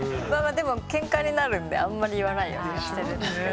けんかになるんであんまり言わないようにはしてるんですけどね。